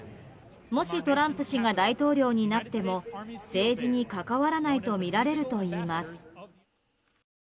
もし、トランプ氏が大統領になっても政治に関わらないとみられるといいます。